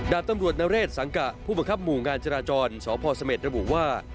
ดาบตำรวจนเรศสังกะผู้บังคับหมู่งานจราจรสพเสม็ดระบุว่า